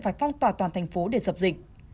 phải phong tỏa toàn thành phố để dập dịch